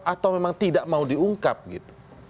atau memang tidak mau diungkap gitu